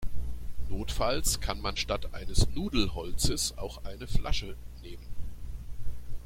Notfalls kann man statt eines Nudelholzes auch eine Flasche nehmen.